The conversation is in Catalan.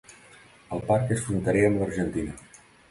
El parc és fronterer amb l'Argentina.